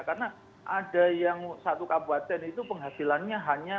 karena ada yang satu kabupaten itu penghasilannya hanya